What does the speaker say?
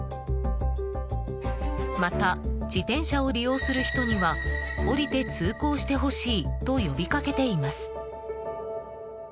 また、自転車を利用する人には降りて通行してほしいと呼びかけています。